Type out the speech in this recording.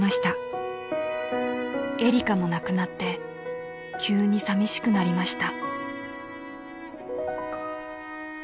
［「エリカも亡くなって急にさみしくなりました」］